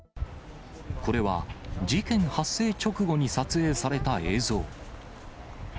これは、事件発生直後に撮影された映像。